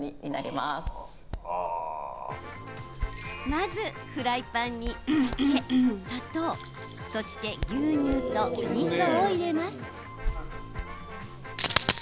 まず、フライパンに酒、砂糖そして、牛乳とみそを入れます。